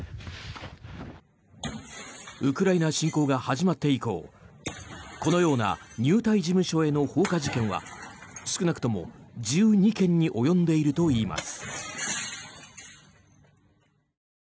ウクライナ侵攻が始まって以降このような入隊事務所への放火事件は少なくとも１２件に及んでいるといいます。